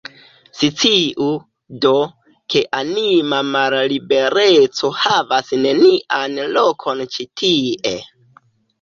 Sciu, do, ke anima mallibereco havas nenian lokon ĉi tie.